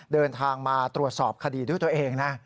เดินทางมาตรวจสอบคดีด้วยตัวเองนะ